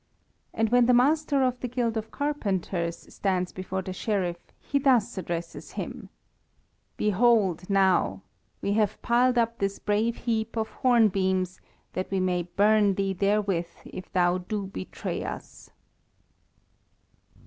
And when the master of the Guild of Carpenters stands before the Sheriff, he thus addresses him "Behold, now, we have piled up this brave heap of hornbeams that we may burn thee therewith if thou do betray us."